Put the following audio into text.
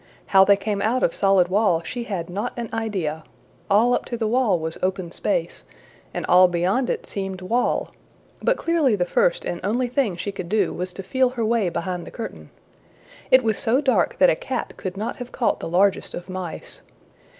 How they came out of solid wall, she had not an idea, all up to the wall was open space, and all beyond it seemed wall; but clearly the first and only thing she could do was to feel her way behind the curtain. It was so dark that a cat could not have caught the largest of mice.